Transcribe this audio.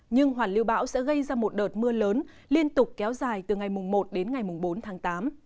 nhưng hoàn lưu bão sẽ gây ra một đợt mưa lớn liên tục kéo dài từ ngày một đến ngày bốn tháng tám